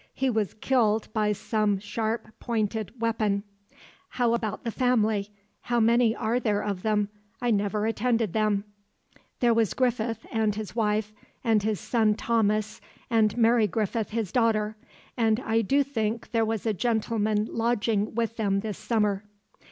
He was killed by some sharp pointed weapon. How about the family? How many are there of them? I never attended them." "There was Griffith, and his wife, and his son Thomas and Mary Griffith, his daughter. And I do think there was a gentleman lodging with them this summer."